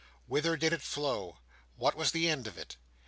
Whither did it flow? What was the end of it?